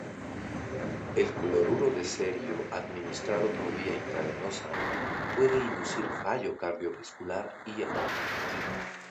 El cloruro de cerio administrado por vía intravenosa puede inducir fallo cardiovascular y hepático.